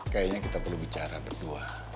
kayaknya kita perlu bicara berdua